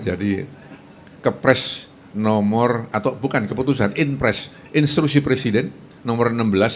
jadi kepres nomor atau bukan keputusan inpres instruksi presiden nomor enam belas